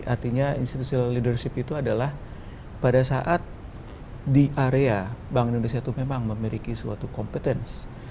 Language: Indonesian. artinya institutional leadership itu adalah pada saat di area bank indonesia itu memang memiliki suatu competence